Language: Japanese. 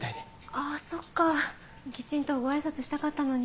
あぁそっかきちんとご挨拶したかったのに。